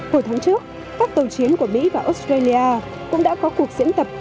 hồi tháng trước các tàu chiến của mỹ và australia cũng đã có cuộc diễn tập